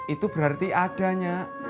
itu berarti ada nya